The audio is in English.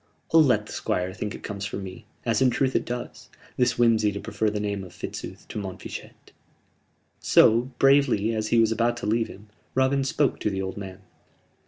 I'll let the Squire think it comes from me as in truth it does this whimsey to prefer the name of Fitzooth to Montfichet!" So bravely, as he was about to leave him, Robin spoke to the old man.